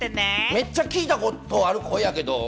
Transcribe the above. めっちゃ聞いたことある声やけど。